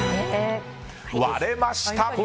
割れました！